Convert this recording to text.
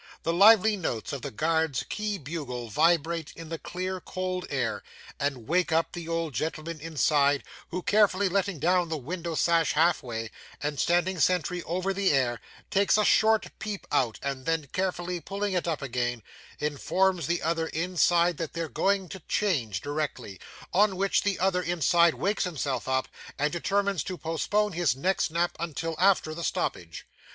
The lively notes of the guard's key bugle vibrate in the clear cold air, and wake up the old gentleman inside, who, carefully letting down the window sash half way, and standing sentry over the air, takes a short peep out, and then carefully pulling it up again, informs the other inside that they're going to change directly; on which the other inside wakes himself up, and determines to postpone his next nap until after the stoppage.